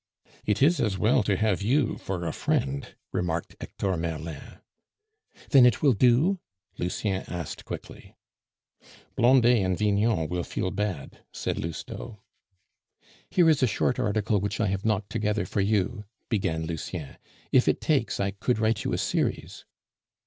"It is as well to have you for a friend," remarked Hector Merlin. "Then it will do?" Lucien asked quickly. "Blondet and Vignon will feel bad," said Lousteau. "Here is a short article which I have knocked together for you," began Lucien; "if it takes, I could write you a series."